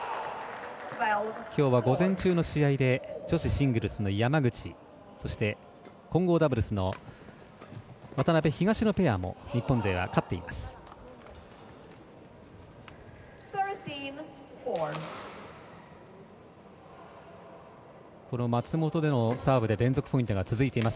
きょうは午前中の試合で女子シングルスの山口そして、混合ダブルスの渡辺、東野ペアも日本勢は勝っています。